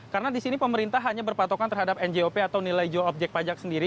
karena di sini pemerintah hanya berpatokan terhadap njop atau nilai jual objek pajak sendiri